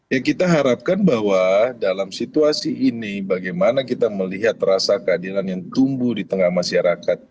ya kita harapkan bahwa dalam situasi ini bagaimana kita melihat rasa keadilan yang tumbuh di tengah masyarakat